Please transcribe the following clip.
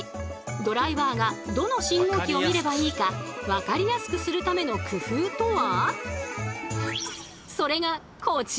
ドライバーがどの信号機を見ればいいかわかりやすくするための工夫とは？